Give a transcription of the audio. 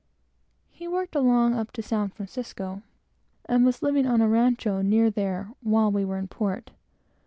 He worked along up to San Francisco, and was living on a rancho near there, while we were in port.